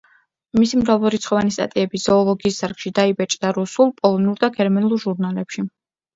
მისი მრავალრიცხოვანი სტატიები ზოოლოგიის დარგში დაიბეჭდა რუსულ, პოლონურ და გერმანულ ჟურნალებში.